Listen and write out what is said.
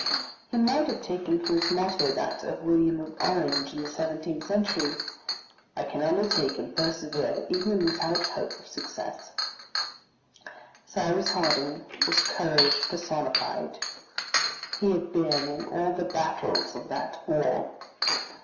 He might have taken for his motto that of William of Orange in the 17th century: "I can undertake and persevere even without hope of success." Cyrus Harding was courage personified. He had been in all the battles of that war.